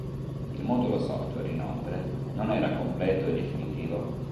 Il modulo software, inoltre, non era completo e definitivo.